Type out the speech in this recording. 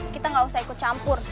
kita nggak usah ikut campur